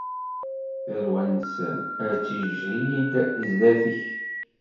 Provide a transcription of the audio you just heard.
Tarwa-nsen ad tiǧhid sdat-k.